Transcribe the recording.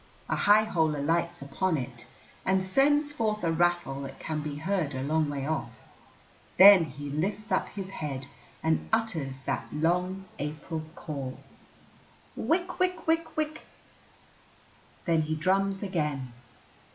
A high hole alights upon it, and sends forth a rattle that can be heard a long way off. Then he lifts up his head and utters that long April call, Wick, wick, wick, wick. Then he drums again.